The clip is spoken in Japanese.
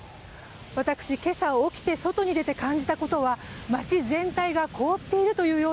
私、今朝、起きて外に出て感じたことは町全体が凍っているというような